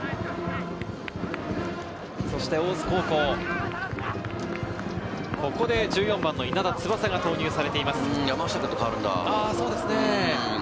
そして大津高校、ここで１４番の稲田翼が投入されています。